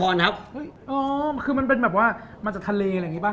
คือมันเป็นแบบว่ามาจากทะเลอะไรอย่างนี้ป่